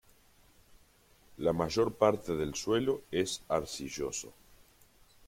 La mayor parte del suelo es arcilloso.